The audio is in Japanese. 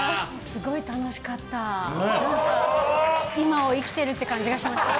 すごい楽しかった何か今を生きてるって感じがしました